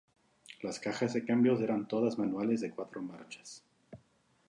Las cajas de cambios eran todas manuales de cuatro marchas.